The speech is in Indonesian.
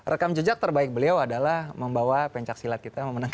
rekam jejak terbaik beliau adalah membawa pencaksilat kita memenangkan